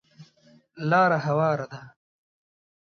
لاره هواره ده .